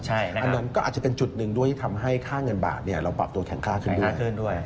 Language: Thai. อันนั้นก็อาจจะเป็นจุดหนึ่งด้วยที่ทำให้ค่าเงินบาทเราปรับตัวแข็งค่าขึ้นด้วย